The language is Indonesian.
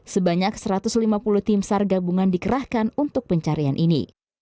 sebanyak satu ratus lima puluh tim sar gabungan dikerahkan untuk pencarian ini